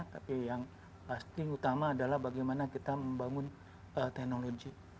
tapi yang pasti utama adalah bagaimana kita membangun teknologi